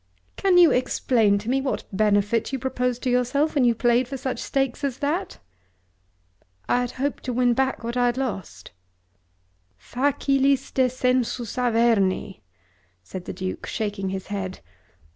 "Can you explain to me what benefit you proposed to yourself when you played for such stakes as that?" "I hoped to win back what I had lost." "Facilis descensus Averni!" said the Duke, shaking his head.